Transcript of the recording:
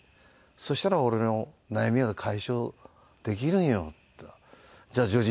「そしたら俺の悩みは解消できるんよ」って言ったら「じゃあ譲二